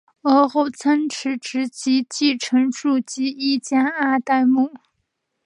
而后仓持直吉继承住吉一家二代目。